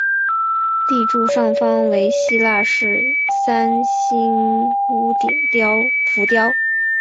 立柱上方为希腊式三角屋顶浮雕。